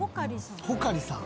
穂苅さん。